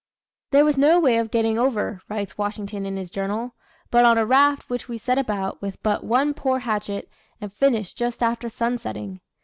"There was no way of getting over," writes Washington in his journal, "but on a raft, which we set about, with but one poor hatchet, and finished just after sun setting.